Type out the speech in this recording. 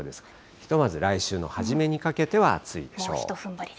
ひとまず来週の初めにかけては暑いでしょう。